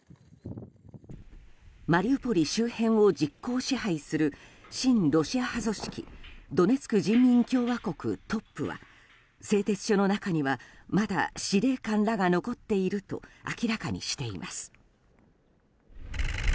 マリウポリ周辺を実効支配する親ロシア派組織ドネツク人民共和国トップは製鉄所の中にはまだ司令官らが残っていると明らかにしています。